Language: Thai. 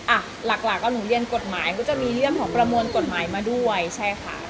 หลักหลักก็หนูเรียนกฎหมายก็จะมีเรื่องของประมวลกฎหมายมาด้วยใช่ค่ะ